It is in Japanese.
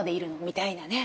みたいなね。